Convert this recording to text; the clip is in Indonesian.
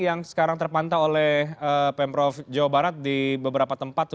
yang sekarang terpantau oleh pemprov jawa barat di beberapa tempat